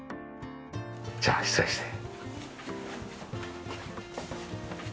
じゃあ失礼して。